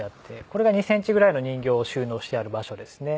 これが２センチぐらいの人形を収納してある場所ですね。